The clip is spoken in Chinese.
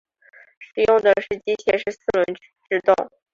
使用的是机械式四轮制动。